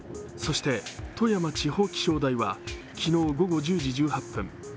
そして富山地方気象台は昨日午後１０時１８分